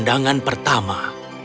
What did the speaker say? dia mencintai pangeran adam